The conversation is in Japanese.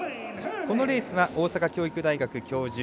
このレースは大阪教育大学教授